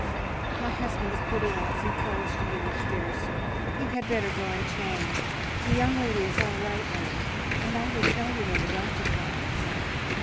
"My husband is putting out some clothes for you upstairs, sir. You had better go and change. The young lady is all right now, and I will tell you when the doctor comes."